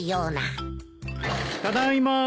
ただいま。